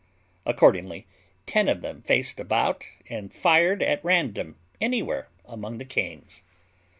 Accordingly, ten of them faced about, and fired at random anywhere among the canes.